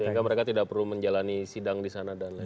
sehingga mereka tidak perlu menjalani sidang di sana dan lain lain